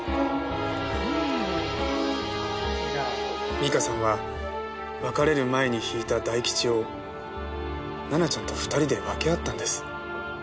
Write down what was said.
実花さんは別れる前に引いた大吉を奈々ちゃんと２人で分け合ったんです。